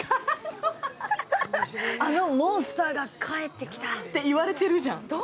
「あのモンスターがかえってきた」って言われてるじゃん。